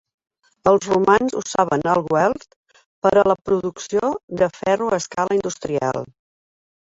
Els romans usaven el Weald per a la producció de ferro a escala industrial.